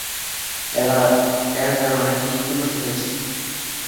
এর কারণে অনেকেই ক্ষতিগ্রস্থ হয়েছে।